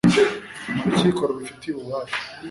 mu rukiko rubifitiye ububasha